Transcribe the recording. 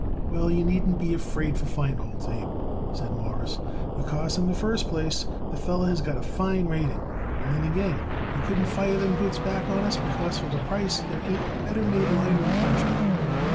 "Well, you needn't be afraid for Feinholz, Abe," said Morris, "because, in the first place, the feller has got a fine rating; and then again, he couldn't fire them goods back on us because, for the price, there ain't a better made line in the country."